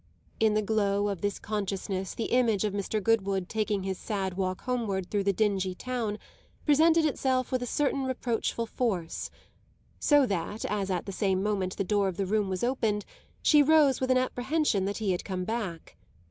In the glow of this consciousness the image of Mr. Goodwood taking his sad walk homeward through the dingy town presented itself with a certain reproachful force; so that, as at the same moment the door of the room was opened, she rose with an apprehension that he had come back.